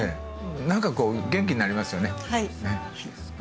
何かこう元気になりますよね。